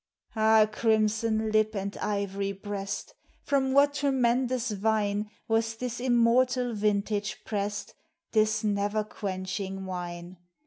Ah, crimson lip and ivory breast ! From what tremendous vine Was this immortal vintage pressed, This never quenching wine?